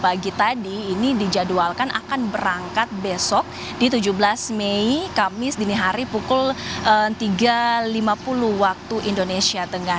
pagi tadi ini dijadwalkan akan berangkat besok di tujuh belas mei kamis dini hari pukul tiga lima puluh waktu indonesia tengah